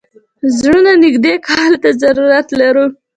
زړونو نېږدې کولو ته ضرورت لرو.